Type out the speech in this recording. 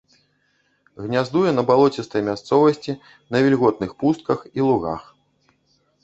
Гняздуе на балоцістай мясцовасці, на вільготных пустках і лугах.